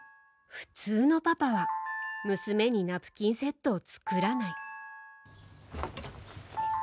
普通のパパは娘にナプキンセットを作らない。